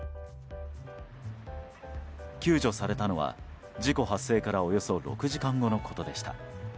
救助されたのは事故発生からおよそ６時間後のことでした。